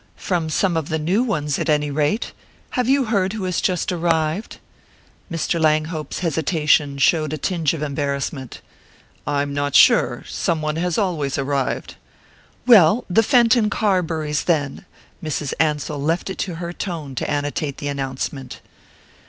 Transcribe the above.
"From some of the new ones, at any rate! Have you heard who has just arrived?" Mr. Langhope's hesitation showed a tinge of embarrassment. "I'm not sure some one has always just arrived." "Well, the Fenton Carburys, then!" Mrs. Ansell left it to her tone to annotate the announcement.